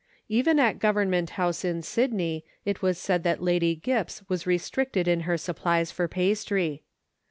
Even at Government House in Sydney, it was said that Lady Gipps was restricted in her supplies for pastry.